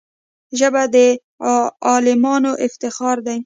ژبه د عالمانو افتخار دی